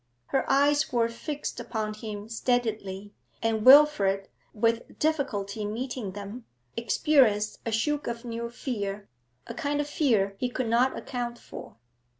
Her eyes were fixed upon him steadily, and Wilfrid, with difficulty meeting them, experienced a shook of new fear, a kind of fear he could not account for.